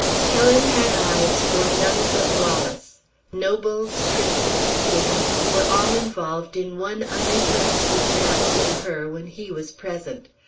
Helen had eyes for none but Wallace. Nobles, princes, kings, were all involved in one uninteresting mass to her when he was present.